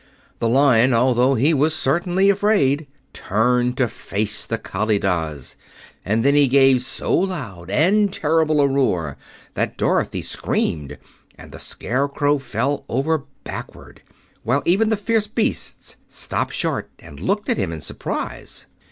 The Lion, although he was certainly afraid, turned to face the Kalidahs, and then he gave so loud and terrible a roar that Dorothy screamed and the Scarecrow fell over backward, while even the fierce beasts stopped short and looked at him in surprise.